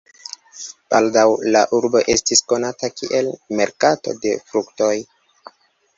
Baldaŭ la urbo estis konata kiel merkato de fruktoj.